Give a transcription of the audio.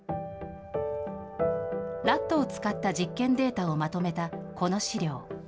ラットを使った実験データをまとめたこの資料。